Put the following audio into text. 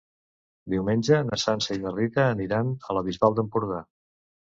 Diumenge na Sança i na Rita aniran a la Bisbal d'Empordà.